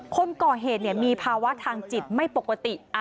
คนก่อเหตุมีภาวะทางจิตไม่ปกติ